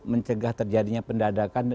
mencegah terjadinya pendadakan